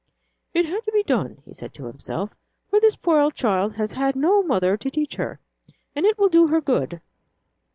"It had to be done," he said to himself, "for the poor child has had no mother to teach her, and it will do her good."